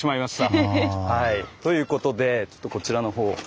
あれ？ということでちょっとこちらのほう。